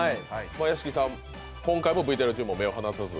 屋敷さん、今回もＶＴＲ中、目を離さず？